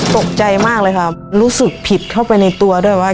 ตกใจมากเลยค่ะรู้สึกผิดเข้าไปในตัวด้วยว่า